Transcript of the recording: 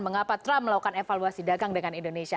mengapa trump melakukan evaluasi dagang dengan indonesia